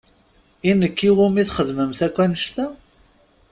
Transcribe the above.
I nekk i wumi txedmemt akk annect-a?